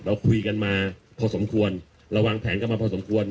เราคุยกันมาพอสมควรเราวางแผนกันมาพอสมควร